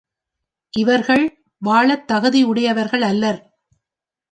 இவர்கள் வாழத் தகுதி உடையவர்கள் அல்லர்.